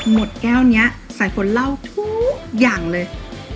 แก้วนี้สายฝนเล่าทุกอย่างเลย